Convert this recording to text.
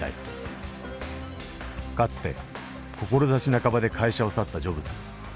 かつて志半ばで会社を去ったジョブズ。